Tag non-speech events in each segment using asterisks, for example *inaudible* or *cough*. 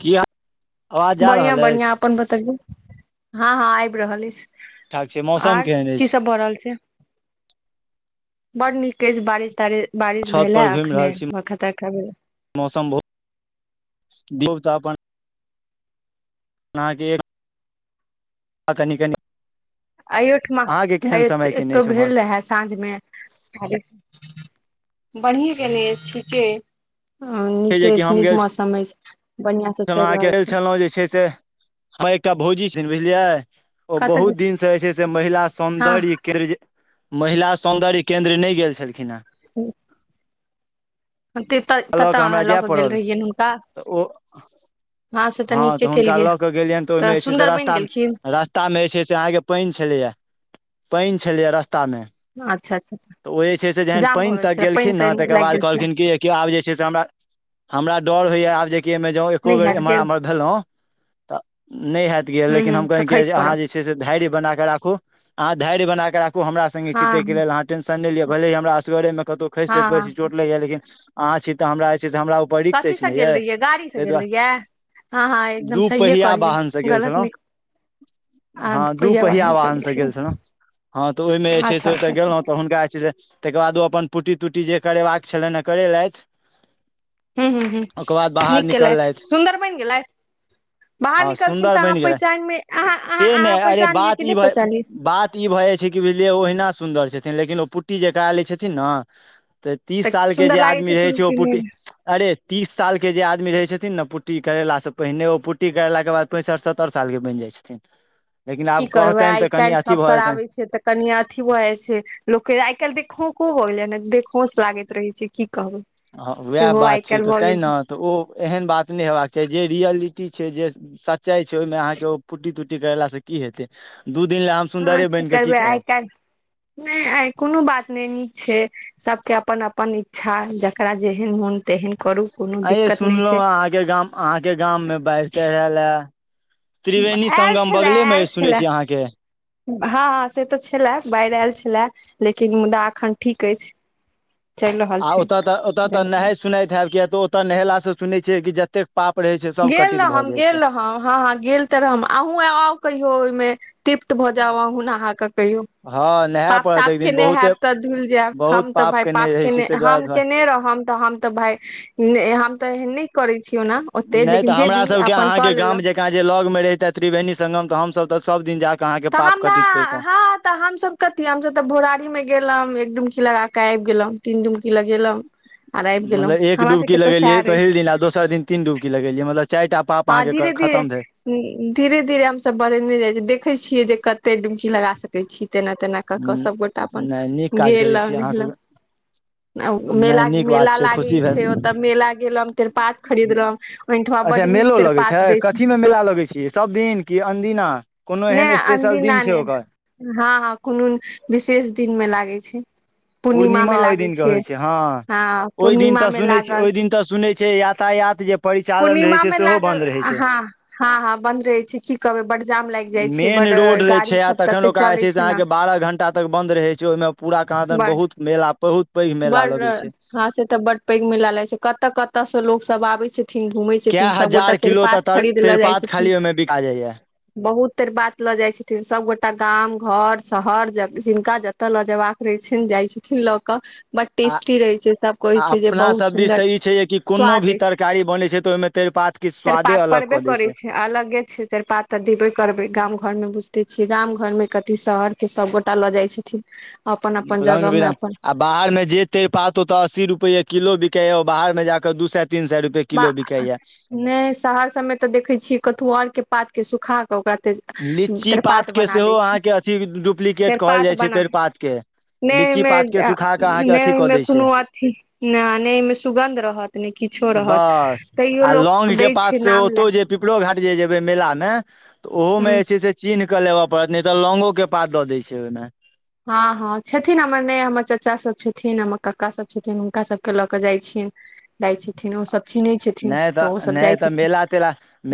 किया बढ़िआँ बढ़िआँ अपन बतैौ हँ हँ आबि रहल अछि ठाक छै मौसम आर केहन की अछि सब भऽ रहल छै बड़ नीक कहै छै बारिश तारिश बारिश छत भेलै पर घुमि रहल अखने छी वरखा तरखा भेल मौसम बहुत दियौ चाय पानि अहाँके एक आ कनि कनि अयोठमा अहाँके केहन समय केने अएतौ अछि उम्हर भेल रहए साँझमे बढ़िए गेलय ने ठीके ओ नीके जेकि अछि हम नीक गेल मौसम अछि बढ़ियां से छलहुँ चलि अहाँके रहल खेल छै छलहुँ जे छै से हँ एकटा भौजी छै ने बुझलियै ओ कतऽ गेल बहुत छी दिन से जे छै से महिला हँ सौंन्दर्य केन्द्र महिला सौन्दर्य केन्द्र नहि गेल छलखिन हेँ हुँ औते लऽ कऽ हमरा जाय पड़ल तऽ ओ से हँ नीके तऽ हुनका केलियै लऽ कऽ गेलियनि तऽ ओहिमे जे छै से सुन्दर बनि रास्ता गेलखिन रा रस्ता मे जे छै से अहाँके पानि छलैया पानि छलैया रस्ता मे अच्छा अच्छा अच्छा तऽ ओ जे छै से जहन जाम भऽ पानि गेल तक छलै पानि गेलखिन ने तानि तकर लागि बाद गेल छलै कहलखिन कि किओ आब जे छै से हमरा हमरा डर होइए आब जेकि एहिमे जँ एको नहि बेर हैत गे एम्हर एम्हर भेलहुँ तऽ नहि होैत गेल हूं लेकिन हूं हम तऽ कन खसि अहाँ पड़ब जे छै से धैर्य बना कऽ राखू आह धैर्य बना के राखु हमरा सङ्गे छिटयकैक हँ लेल अहाँ टेंशन नहि लिए भले हमरा असगरेमे कतहु खसि हँ तैस हँ परैछी चोट लागि जाय या लेकिन अहाँ छी तऽ हमरा जे छै से हमरा ऊपर रिस्क कथी अछि से नहि गेल यए रहियै गाड़ी से ताहि गेल दुआरे रहियै हँ हँ एकदम दू सहिए पहिया कहलियै वाहनसँ गेल गलत छलहुँ नहि हँ दू पहिया वाहन से गेल छलहुँ हँ तऽ ओहिमे जे छै अच्छा से ओतऽ अच्छा अच्छा गेलहुँ तऽ हुनका जे छै से ता केके बाद ओ अपन पुटी तुटी जे करेबाक छलनि ह करेलथि हुँ हुँ हुँ ओकर बाद बाहर नीक केेलयत निकललथि सुन्दर बन गेलेथि बाहर हँ निकलखिन सुन्दर तऽ अहाँ बनि गेलथि पहचानमे अहाँ अहाँ से अहाँ नहि अरे पहचान लिअ बात कि ई नहि भऽ पहचान लिअ बात ई भऽ जाइ छै कि बुझलियै ओहिना सुन्दर छथिन लेकिन ओ पुट्टी जे करा लै छथिन ने तऽ तीस सालके सुन्दर जे लागै आदमी रहैत छथिन छै ओ कि पुटी नहि अरे तीस साल के जे आदमी रहै छथिन ने पुट्टी करेलास से पहिने ओ पुट्टी करेलाके बाद पैंसठ सत्तरि साल के बनि जाइ छथिन लेकिन की आब कहतनि तऽ कनि अथी भऽ जेतनि तनि अथी भ जाय छै लोकके आइ काल्हि देखोंको भऽ गेलै ने देखहोंस लागैत रहै छै की कहु हँ उएह बात छै तऽ तैहि ने तऽ ओ एहन बात नहि हेबाक चाही जे रियलिटी छै जे सच्चाई छै ओहि मे अहाँ कें पुट्टी करेला सँ की हैतेय दू दिल ला हम हँ सुन्दरे की बनि कऽ करबै करब आइ काल्हि नहि आइ कोनो बात नहि नीक छै सबके अपन अपन इच्छा जकरा जेहन मोन तेहन करू कोनो आ ये दिक्कत नहि सुनलहुँ छै ल *inaudible* आयल छलाह आयल सुनै छलाह छी अहाँके हँ से तऽ छलए बाढ़ि आयल छलए लेकिन मुदा एखन ठीक अछि चलि रहल आ छै ओतय तऽ ओतय तऽ नहाइत सुनाइत हयब किए तऽ ओतय नहेलासँ सुनैत छियै कि जतेक पाप रहै छै सब कटित भऽ जाइ छै हँ हँ हँ गेल तऽ रह अहूँ आउ कहियो ओहिमे तृप्त भऽ जाय अहुँ नहा कं कहियौ हँ तृप्त नहाय पाप पड़त ताप एक दिन केने बहुते हयब तऽ धुल जायब बहुत हम तऽ भाय पाप रहै छी केने ताहि हम दुआरे केने रहूँ तऽ हम तऽ भाय हम तऽ एहन नहि करे छियौ ने नहि तऽ हमरा सभके अहाँके गाम जकाँ जे लग मे रहिते त्रिवेणी सगम तऽ हमसभ तऽ सभ दिन जााकऽ तऽ हम ने हँ तऽ हमसब कथी हमसब तऽ भोराारी मे गेलहुं एक डुमकी लगा के आबि गेलहुं तीन डुमकी लगेलहुं मतलब एक डुबकी लगेलियै रहै पहिल छै दिन आ दोसर दिन तीन डुबकी लगेलियै मलब चार टा पाप हँ धीरे अहाँके धीरे खतम भेल धीरे धीरे हम सब बढ़ेने जाय छी देखे छियै जे कते डुमकी लगा सके छी तेना तेना क कऽ सबगोटा अपन नहि नीक काज गेल करै छियै अहाँ सब नहेलक नहि मेला नीक बात मेला छै लागै खुशी भेल छै ओतऽ मेला गेलहु तेरपात खरीदलं मेठुमा बड नीक लगे तेरपात छै दै कथी मे मेला लगे छीै सब दिन क अदिना कोनो नहि एहन स्पेशल अनदिना दिन छै नहि ओकर हँ हँ कोनो विशेष दिन मे लागै छै पूर्णिमा मे ओहि लागै दिन के छै होइ हँ हँ ओहि दिन पूर्णिमा तऽ मे सुनै छी लागल ओहि दिन तऽ सुनै छै यातायात जे परिचालन रहै पूर्णिमा छै में सेहो बन्द लागल रहै छै हँ हँ हँ बन्द रहे छै की कहबै बड्ड मेन रोड रहै छै आ तखन तते ओका चले जे छै ने अहाँ बारह घण्टा तक बंन्द रहै छै ओहिमे पूरा कहाँ त बड बहुत मेला बहुत पैघ मेला बड लगै छै हँ से तऽ बड्ड पैघ मेला लागै छै कतऽ कत से लोक सब आबे छथिन घुम छै कए छथिन सबगोटा हजार किलो तऽ त्रिपात तर खरीद लऽ जाइ तेरपात छथिन खाली ओहिमे बिका जाइया बहुत तेरपात लऽ जाय छथिन सबगोटा गाम घर शहर जिनका जतऽ लऽ जयबा करै छ जाइ छथिन लऽ कऽ बड आ टेस्टी रहै छै सब आ कहै छै जे अपना बहुत सब दिस तऽ सुन्दर ई छै जे कि कोनो भी स्वाद अछि तरकारी बनै छै तऽ ओहिमे तेरपात के तेर स्वादे पात अलग पड़बे कऽ दै करै छै अलगे छै तेर पात तऽ देबे करबै गाम घरमे बुझिते छियै गाम घर मे कथी शहर के सब गोटा लऽ जाइ छथिन अपन अपन रंग जगहमे बिरंग अपन आ बाहर मे जे तरपत असी रुपय किलो बिकेया बाहर मे ज के दू सए तीन सए रुप बा नहि शहर सभमे तऽ देखैत छियै कतहु आरके पातके सुखा कऽ ओकरा तऽ लीची पातके सेहो अहाँके अथी डुप्लीकेट कहल तेरपात जाइत छै बना तरिपातके नहि ओहिमे नहि कऽ ओहिमे दै छै कोनो अथी नहि ओमे सुगन्ध रहत त नहि किछो रहत बस तैयो आ लोक लौंग के दै पात छै से नाम लए ओतौ जे पिपरो घाट जे जेबै मेला मे तऽ ओहोमे ह जे छै से चिन्ह कऽ लेबऽ पड़त नहि तऽ लौंगो के पात दऽ दै छै ओहिमे हँ हँ छथिन हमर ने हमर चाचा सभ छथिन हमर कक्का सभ छथिन हुनका सभके लऽ कऽ जाइ छियन दै छथिन ओसभ चिन्है छथिन नहि तऽ ओ सभ जाइ नहि तऽ छथिन मेला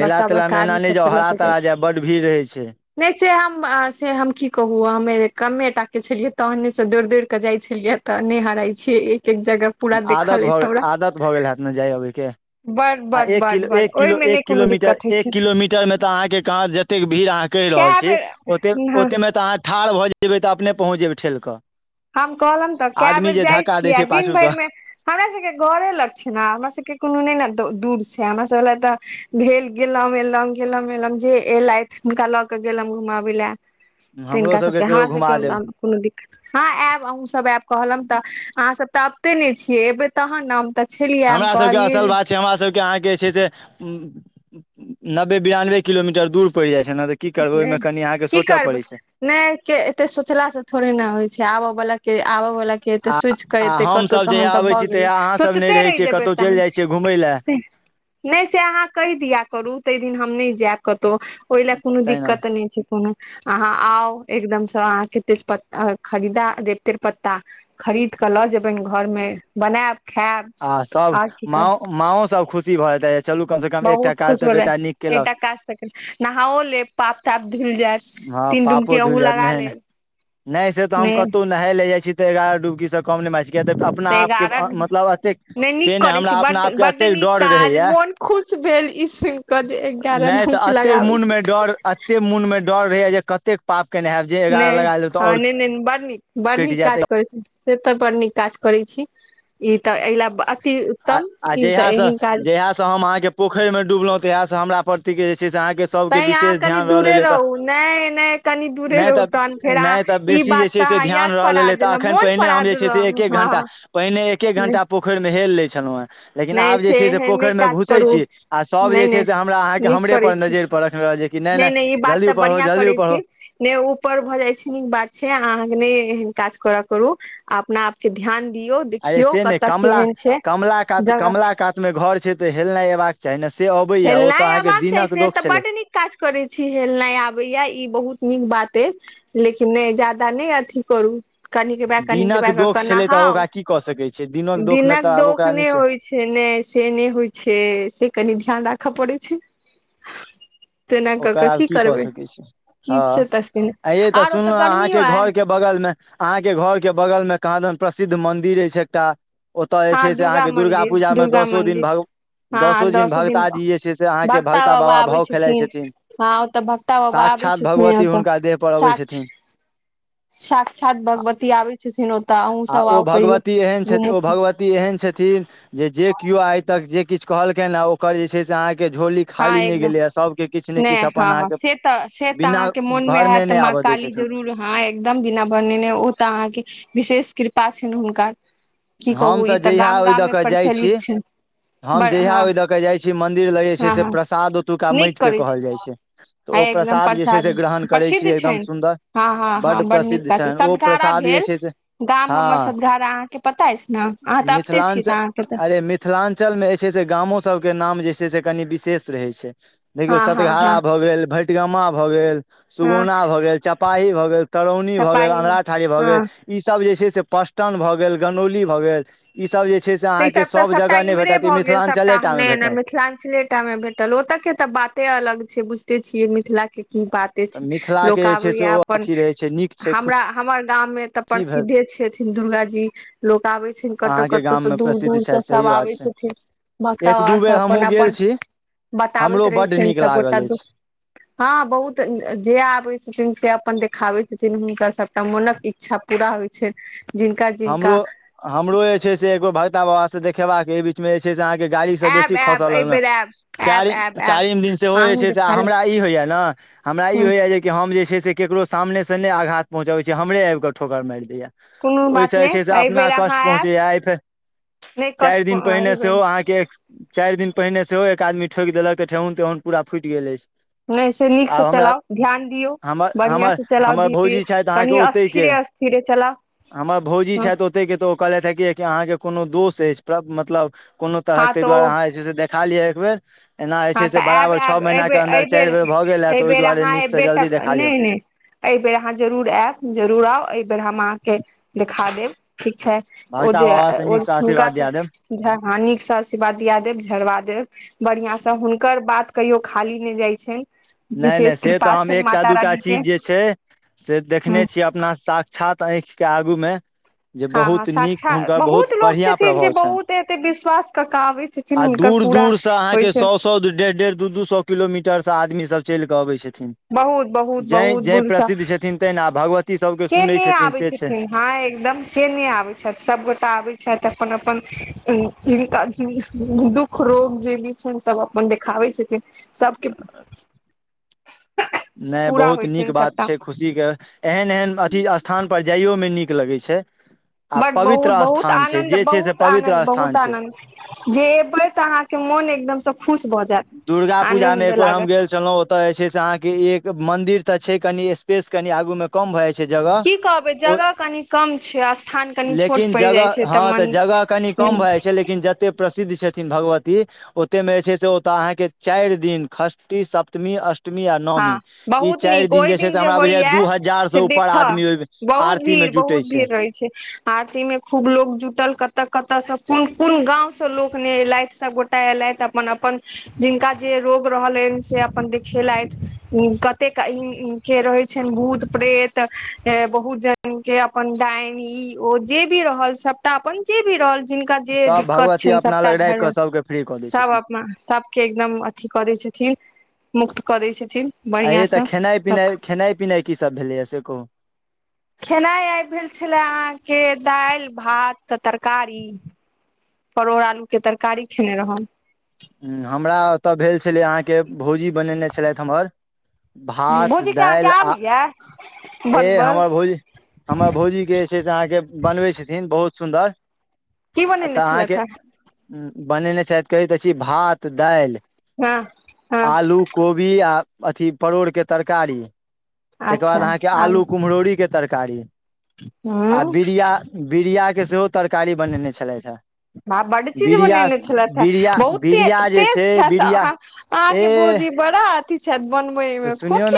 बड़का बड़का आदमी सबके लऽ क ताजा बड भीड़‌ रहे छै नहि से हम से हम की कहु हमे कमे टा के छलियै तहने से दौड़ दौड़ के जाइ छलियै तऽ नहि हराइ छियै एक एक जगह पूरा आदत देखल भऽ अछि गेल हमरा आदत भऽ गेल हैत ने जाय अबैके बड आ बड एक बड किलो बड एक किलो ओहिमे नहि एक कोनो किलोमीटर दिक्कत होइ एक छै किलोमीटर मे तऽ अहाँके कहाँ जे ओत भीड़ अहाँ कहि रहल कए छीे ओते बेर मे त अहाँ ठाढ़ भए जेयबै तऽ अपने पहुँच जेबै ठेल कऽ हम कहलं तऽ कै आदमी बेर जे जाय धक्का दै छीयै आ छै दिन पाछू भरि सँ मे मे हमरा सबके घरे लग छै ने हमरा सबके कोनो ने दूर हमरा सब लए तऽ भेल गेलों एलहुं गेलों एलहुं जे एलथि हुनका लऽ के गेलहुं घुमाबे ले तऽ हमरो हिनका सबके कहियो हमरा घुमा सबके देब कोनो दिक्कत हँ आयब अहूँ सब आयब कहलम तऽ अहाँ सब तऽ अबिते ने छियै एबे तहन ने हम तऽ छलियै हम हमरा सबके असल कहलियै बात छै हमारा सबके आहा के जे छै नब्बे बेरानमे किलोमीटर दूर पड़ जाए छे न की करबै ओहिमे कनि अहाँके की सोचऽ करबै पड़ै छै नहि के एते सोचला से थोड़े ने होइ छै आबऽ बला के आबय वला के एतै आ सोचि कऽ आ एतै कतहु हमसभ तहन जहिया तऽ आबै भऽ छी गेलै तहिया अहाँसभ नहि सोचिते रहै रहि छियै जेबै कतहु चलि तहन जाइ छियै घुमय लए से नहि, से अहाँ कहि दियौ करू, ताहि दिन हम नहि जायब कतहु। लए कोनो तहिना दिक्कत नहि छै। कोनो अहाँ आउ, एकदमसँ अहाँकेँ तेजपत्ता खरीदा देब, तेजपत्ता। खरीद कऽ लऽ जे, अपन घरमे बनायब। खायब आ सभ आओर की माँ करब माओ सभ खुशी भऽ जेतै, चलू कमसँ कम एकटा काज तऽ बेटा नीक। केलक एटा काज नहाओलेब। पाप ताप धुलि जायत, हँ तीन पापो डुबकी धुलि ओहि जायत लगा लेब ने। नहा लऽ जाइ छी तऽ एगारह डुबकीसँ कम नहि मनि छै, किएक तऽ अपनापके मतलब अ तेक नीक से नहि, करैत हमरा छी अपना बड्ड आपके बड्ड एतेक नीक डर काज रहैए। मोन खुश भेल ई सुनि कऽ जे एगारह नहि तऽ डुमकी एतेक लगाबैत छी मोनमे डर रहैए जे कतेक पापक नहायब। नहि, हँ, नहि नहि, बड़ ने बड़ कटि जायत काज करै छै। से तऽ बड़ नीक काज करै छी, ई तऽ एहि लेल अति उत्तम, ई तऽ एहन काज। इएहसँ हम अहाँके पोखरिमे डुबलहुँ तऽ इहाँ हमरा प्रति के जे छै से। जे सभके तैं अहाँ विशेष कनि ध्यान दूरे रहल तऽ। रहू नहि नहि कनि दूरे रहू तहन फेर अहाँ तऽ ई बेसी जे बात छै तऽ से अहाँ ध्यान याद परा रहलै तऽ, देलहुँ एखन मोन पहिने परा हम जे छै से एक देलहुँ एक घण्टा हँ पहिने एक एक। एक घंटा पोखरिमे हेलि लेल छलहुँ, हँ। लेकिन नहि आब जे छै से एहन नहि पोखरिमे काज घुसै करू छी आ सभ जे नहि छै नहि से हमरा अहाँके नीक हमरे करै पर छी नजरि रखने रहैत छै। कि नहि नहि, ई बात जल्दी तऽ ऊपर हो, ऊपर हो, बढ़िआँ जल्दी करै ऊपर छी हो। नहि, ऊपर भऽ जाइ छै, नीक बात छै, अहाँकेँ नहि एहन काज करऽ करू। अपना आपके ध्यान दियौ। अरे देखियौ से नहि, कतऽ केहन छै कमला कात, जगह कमला कातमे घर छै तऽ हेलनाइ अयबाक चाही ने से। अबैया ओ तऽ हेलनाइ अहाँके अयबाक छैही, दिनक से तऽ दोष छलै बड़ नीक। काज करै छी, हेलनाइ आबैए, ई बहुत नीक बात अछि। लेकिन नहि, ज्यादा नहि, अथी करू। कनिक बाइ कन दिनक बाइ दोख कऽ छलै तऽ नहाउ, ओकरा की कऽ सकै छियै दोखमे दिनक तऽ आब दोष ओकरा नहि ने होइ छै। से नहि, से नहि होइ छै, से कनि ध्यान राखऽ पड़ै छै। तेना कऽ ओकर आब की कऽ करबै सकैत छी, की छै हँ, तऽ से तस नहि। आइ तऽ आर ओतऽ सुनलहुँ गर्मियो अहाँके आय घरके। बगल मे अहाँके घर के बगल मे कहाँ दन प्रसिद्ध मंन्दिर अछि एकटा ओतय जे हँ छै, से अहाँके दुर्गा मंदिर पूजामे दुर्गा दसो दिन मंदिर भग दस हँ दिन दसो भगताजी जे छै से अहाँके भक्ता भगता बाबा आबै भाव खेलाइत छथिन छै। हँ ओतऽ भक्ता बाबा आबै साक्षात् छथिन भगवती ओतऽ हुनका देह पर अबैत छथिन। साक्षात् भगवती अबैत छथिन ओतऽ, अहुँ आ सभ ओ आउ, कहियो भगवती एहन छथि ओ घूमू। भगवती एहन छथिन जे जे केओ आइ तक जे किछु कहलखिन, ओकर जे छै से अहाँकेँ झोली। हँ खाली नहि एकदम गेले ह सभ नहि, हँ हँ, से तऽ बिना अहाँके मोनमे भरने होयत, नहि माँ आबय दै काली छथिन जरूर। हँ, एकदम बिना भनेने, ओ तऽ अहाँके विशेष कृपा छै हुनकर। की कहू, हम ई तऽ जहिया गाम ओहि दऽ गाममे कऽ जाइ प्रचलित छै, बड़ हँ। मन्दिर लग जे हँ छै हँ प्रसाद, ओतुका नीक माटिक करै कहल जाइ छै, तऽ आ ओ एकदम प्रसाद जे छै ग्रहण। करै प्रसिद्ध छीयै एकदम छनि सुन्दर हँ हँ हँ, बड्ड बड़ नीक प्रसिद्ध काज, छनि ओ सदघारा प्रसाद जे भेल छै से गाम हमर सदघारा। अहाँके पता अछि ने अहाँ तऽ अबिते छियै मिथिलांचल तऽ अहाँके तऽ अरे मि मिथिलांचलमे जे छै से गाम सभके नाम जे छै से कनि विशेष रहैत छै। देखियौ, हँ हँ हँ सतघरा भऽ गेल, भटगा भऽ गेल, हँ सुगुना भऽ गेल, चपाही भऽ गेल। तरौनी भऽ गेल, चपाही मे अन्धरा ठाढ़ी भऽ गेल, हँ ई सभ जे छै से पचटन भऽ गेल, गनौली भऽ गेल। ई सभ जे छै, से तऽ ई अहाँकेँ सब तऽ सभ सभटा जगह नहि भेटत ई मिथिलांचलमे भेटत। मिथिलांचल मे भेटल ओतयक तऽ बाते अलग छै, बुझिते छियै मिथिलाकेँ। के की बाते, तऽ लोक मिथिलाके जे छै आबैए से ओ अपन अथी रहै छै नीक छै हमरा हमर दाम में तऽ खुशी भेल प्रसिद्धे छथिन दुर्गा जी लोक आबे छै कतौ अहाँके कतौ ओतसँ गाममे दूर प्रसिद्ध दूर से छथि सब सही बात आबै छै छथिन भक्त एक दू बाबासँ बेर अपन हमहूँ गेल अपन छी बताबैत हमरो रहै बड्ड छनि नीक सभगोटा लागल अछि दुःख हँ बहुत जे आबै छथिन से अपन देखाबै छथिन हुनकर सभटा मोनक इच्छा पूरा होइ छै हमरो हमरो जे छै से एगो भगता बाबा से देखेबाक बीच मे जे छै से अहा के गाड़ी से आयब बेसी आयब एहि खसलक ने बेर आयब आयब च आयब आयब चारिम दिन सेहो जे अहूँ छै से देखा ले हमरा ई होइया ने हमरा ई ह होइया जे कि हम जे छै से ककरो सामनेसँ नहि आघात पहुँचबै छी हमरे आबि कऽ ठोकर मारि दैए कोनो तऽ बात ओहिसँ जे नहि छै से एहि अपना बेर कष्ट अहाँ आयब पहुँचैए आ फेर नहि कष्ट चारि दिन पहिनेे एहि बेर सेहो अहाँके चारि दिन पहिने सेहो एक आदमी ठोकि देलक तऽ ठेहुन तेहुन पूरा फूटि गेल अछि नहि से नीकसँ आब हमरा चलाउ ध्यान दियौ हमर बढ़िआं हमर से चलाउ हमर दीद भौजी छथि अहाँके कनि ओतहि के स्थिरे थिरे चला हमर भौजी छथि ओतेके तऽ ओ कहलथि हे कि अहाँके कोनो दोष अछि मतलब कोनो तरहक हँ ताहि तऽ ओ दुआरे अहाँ जे छै से देखा लियअ एकबेर एना जे हँ छै से तऽ आयब बराबर छओ आयब महीनाके एहिबेर अन्दर एहिबेर चारि बेर भऽ गेल हए तऽ ओहि एहिबेर दुआरे अहाँ नीकसँ एबै जल्दी तऽ देखा लियौ नहि नहि एहिबेर अहाँ जरूर आयब जरूर आउ एहि बेेर हम अहाँके देखा देब ठीक छै ओ भगता जे बाबा से ओ नीकसँ हुनका आशीर्वाद से दिया देब हा नीक से आशीर्वाद दिया देब झड़बा देब बढ़ियां से तऽ हुनकर बात कहियो खाली नहि जाइ छनि नहि नहि विशेष से तऽ कृपा हम छनि एकटा माता दूटा रानी के चीज जे छै से देखने हँ छीयै अपना साक्षात आँखि के आगू मे हँ हँ साक्षात बहुत लोग बढ़िआँ छथिन जे प्रभाव छनि बहुत एते विश्वास क के आबैत आ दूर दूर से अहाँके सए सए डेढ़ डेढ़ दू दू सए किलोमीटरसँ आदमी सब चलिकऽ अबै छथिन बहुत बहुत जै बहुत जै बुझ प्रसिद्ध छथिन तें आ भगवती सबके के सुनै नहि छथिन आबै से छै हँ एकदम के नहि आबै छथि सभगोटा आबै छैथ अपन अपन जिनका दुःख रोग जे भी छैन सब अपन देखाबै छथिन सभके नहि पूरा बहुत होइ नीक छनि बात सभटा छै खुशीके एहन एहन अथी स्थानपर जाइओमे नीक लगै छै आ बड बहुत पवित्र बहुत स्थान छै आनन्द जे छै से बहुत पवित्र आनन्द बहुत स्थान छै आनन्द जे एबै तऽ अहाँके मोन एकदम दुर्गा पूजामे एक बेर हम गेल लागत छलहुँ ओत जे छै से अहाँके एक मंदिर तऽ छै कनि स्पेस कनि आगू मे कम भऽ जाइ छै जगह की कहबै जगह कनि कम छै स्थान कनि छोट लेकिन पड़ि जाइ छै तऽ जगह कम मन भए जाइ छै लेकिन जते प्रसिद्ध छथिन भगवती ओते मे जे छै होता अहाँके चारि दिन षष्ठी सप्तमी अष्टम अठमी आ नवमी हँ ईश बहुत चारि नीक दिन ओहि जे छै से हमरा बुझाय यै होइया दू हजार से ऊपर आदमी बहुत आरती मे भीड़ जुटै बहुत भीड़ रहै छै आरती में खूब लोग जुटल कत कत से कोन कोन गांव से लोक न एलथि सब गोटा एलथ‌ अपन अपन जिनका जे रोग रहल ह से अपन देखेलथ कते के रहै छनि भूत प्रेत बहुत ज के अपन डायन ई ओ जे भी रहल सबटा अपन जे भी रहल जिनका जे सभ दिक्कत भगवती छनि अपना लग सबटा राखि कऽ झड़ सभके फ्री कऽ दै सब छथिन अपना सब के एकदम अथि क दय छथिन मुक्त कदय छथिन आ ये तऽ बढ़िआँसँ खेनाइ पिनाइ सभके खेनाइ पिनाइ कीसभ भेलैए से कहू खेनाइ आइ भेल छलए अहाँके दालि भात तऽ तरकारी परोड़ आलू के तरकारी खेने रहू ह हमरा ओतय भेल छलै अहाँके भौजी बनेने छलथि हमर भात भौजी के अहाँके दालि आ आबैये ए बनबल हमर भोजी हमर भोजी छै से अहाँके बनबै छथिन बहुत सुन्दर की बनेने तऽ अहाँके छलथि बनेने छथि कही त छी भात दालि हे हँ हँ आलू कोभि आ परोड़ के तरकारी तेकर बाद अच्छा आहाँ के आलू आलु कुमरौरि के‌ तरकारी तरकारी आ हूँ बिड़िया बिड़िया के सेहो तरकारी बनेने छलथि हे हँ बड चीज बिरिया बनेने छलथि हेँ बिरिया बहुत बिरिया तेज जे तेज छै छथि बिरिया अहाँ अहाँके एह भउजी बड़ा अथी छथि बनबे तऽ मे खूब च सुनियौ ने